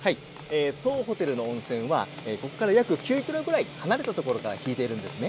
当ホテルの温泉はここから約９ｋｍぐらい離れたところから引いているんですね。